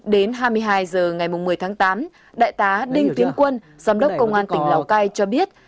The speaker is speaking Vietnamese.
đến hai mươi hai h ngày một mươi tháng tám đại tá đinh tiến quân giám đốc công an tỉnh lào cai cho biết